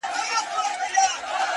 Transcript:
نن د هر گل زړگى په وينو رنـــــگ دى _